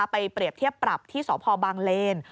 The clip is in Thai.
เปรียบเทียบปรับที่สพบางเลน